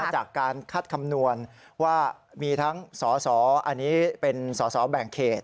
จากการคัดคำนวณว่ามีทั้งสสอันนี้เป็นสอสอแบ่งเขต